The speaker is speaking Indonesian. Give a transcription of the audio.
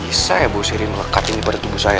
kok bisa ya bau sirih melekatin pada tubuh saya